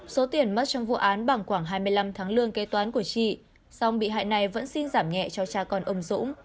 số tiền mất trong vụ án bằng khoảng hai mươi năm tháng lương kế toán của chị song bị hại này vẫn xin giảm nhẹ cho cha con ông dũng